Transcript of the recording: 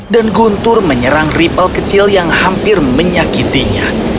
dan guntur menyerang ripple kecil yang hampir menyakitinya